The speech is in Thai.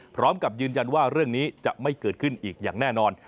พร้อมกับยืนยันว่าเรื่องนี้จะไม่เกิดขึ้นอีกอย่างแน่นอน